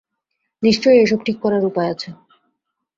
নিশ্চয়ই এসব ঠিক করার উপায় আছে!